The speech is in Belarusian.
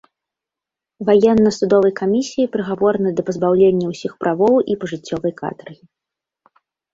Ваенна-судовай камісіяй прыгаворана да пазбаўлення ўсіх правоў і пажыццёвай катаргі.